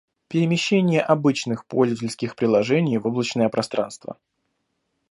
Перемещение обычных пользовательских приложений в облачное пространство.